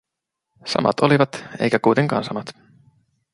Samat olivat, eikä kuitenkaan samat.